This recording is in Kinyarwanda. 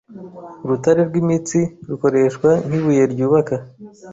Urutare rwimitsi rukoreshwa nkibuye ryubaka